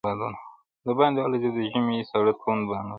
د باندي الوزي د ژمي ساړه توند بادونه.